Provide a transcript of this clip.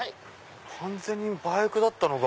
完全にバイクだったのが。